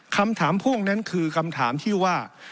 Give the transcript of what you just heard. คำถามพ่วงนั้นคือคำถามที่ว่า